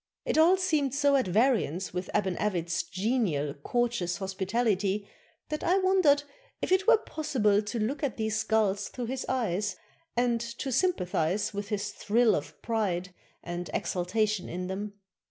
It all seemed so at variance \vith Aban Avit's genial, cour teous hospitality, that I wondered if it were possible to look at these skulls through his eyes, and to sympathize with his thrill of pride and exultation in them.